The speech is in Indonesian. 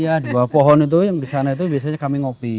iya di bawah pohon itu yang di sana itu biasanya kami ngopi